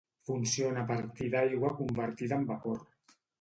Funciona a partir d’aigua convertida en vapor.